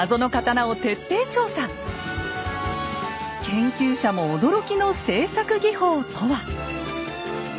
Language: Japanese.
研究者も驚きの製作技法とは。